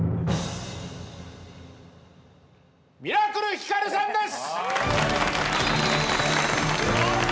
ミラクルひかるさんです。